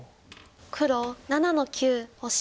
黒７の九オシ。